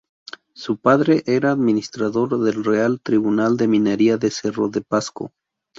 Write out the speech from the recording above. Su padre era administrador del Real Tribunal de Minería de Cerro de Pasco.